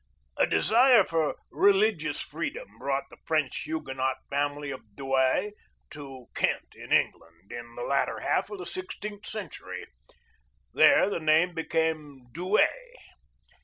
A desire for religious freedom brought the French Huguenot family of Douai to Kent, in England, in the latter half of the sixteenth century. There the name became Duee.